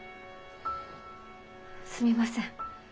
すみません。